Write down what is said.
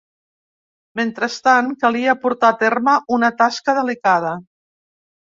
Mentrestant, calia portar a terme una tasca delicada.